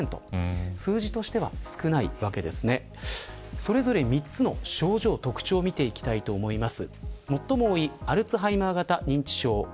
それぞれ３つの症状の特徴を見ていきたいと思います。